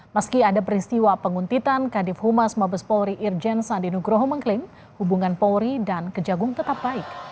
meski ada peristiwa penguntitan kadif humas mabes polri irjen sandi nugroho mengklaim hubungan polri dan kejagung tetap baik